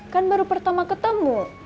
kan baru pertama ketemu